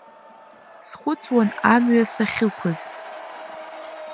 Схәыцуан амҩа сахьықәыз.